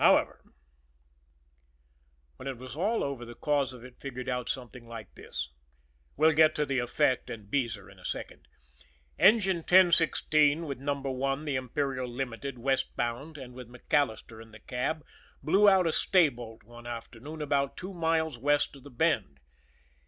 However When it was all over the cause of it figured out something like this we'll get to the effect and Beezer in a second. Engine 1016 with Number One, the Imperial Limited, westbound, and with MacAllister in the cab, blew out a staybolt one afternoon about two miles west of the Bend.